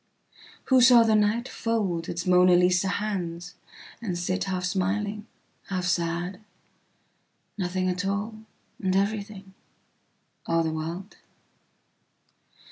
Who saw the nightfold its Mona Lisa handsand sit half smiling, half sad, nothing at all, and everything, all the world